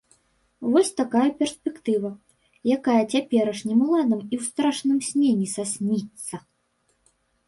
Вось такая перспектыва, якая цяперашнім уладам і ў страшным сне не сасніцца.